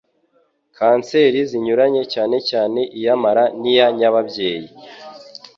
kanseri zinyuranye cyane cyane iy'amara n'iya nyababyeyi.